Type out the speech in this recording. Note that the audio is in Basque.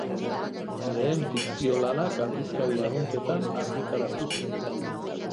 Lehen fikzio-lanak aldizkari arruntetan argitaratu zituen.